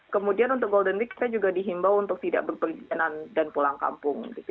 kemudian untuk golden week saya juga dihimbau untuk tidak berpergian dan pulang kampung